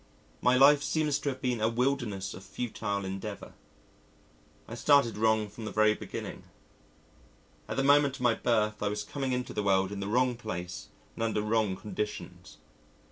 My life seems to have been a wilderness of futile endeavour. I started wrong from the very beginning. At the moment of my birth I was coming into the world in the wrong place and under wrong conditions.